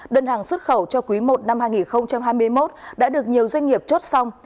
đơn hàng xuất khẩu cho quý i năm hai nghìn hai mươi một đã được nhiều doanh nghiệp chốt xong